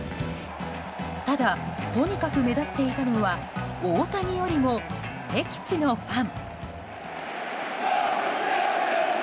ただ、とにかく目立っていたのは大谷よりも敵地のファン。